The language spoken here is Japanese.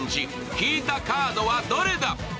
引いたカードはどれだ。